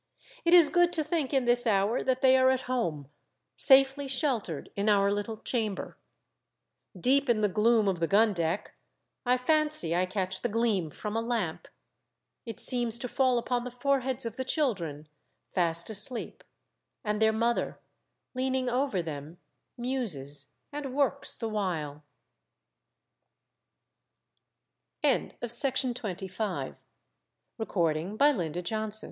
It is good to think in this hour that they are at home, safely sheltered in our little chamber. Deep in the gloom of the gun deck, I fancy I catch the gleam from a lamp ; it seems to fall upon the foreheads of the children, fast asleep ; and their mother, lean ing over them, muses, and works the wh